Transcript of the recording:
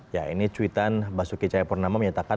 ya ini cuitan basuki cahayapurnama menyatakan